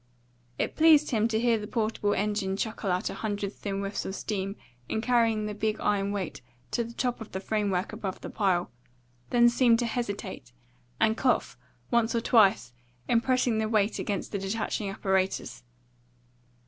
It pleased him to hear the portable engine chuckle out a hundred thin whiffs of steam in carrying the big iron weight to the top of the framework above the pile, then seem to hesitate, and cough once or twice in pressing the weight against the detaching apparatus.